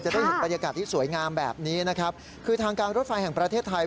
ได้เห็นบรรยากาศที่สวยงามแบบนี้นะครับคือทางการรถไฟแห่งประเทศไทย